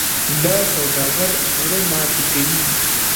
دا سوداګر زړه ماتې کوي.